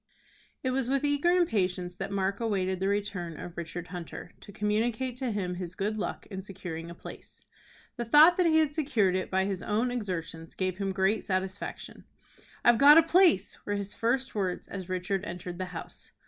It was with eager impatience that Mark awaited the return of Richard Hunter, to communicate to him his good luck in securing a place. The thought that he had secured it by his own exertions gave him great satisfaction. "I've got a place," were his first words, as Richard entered the house.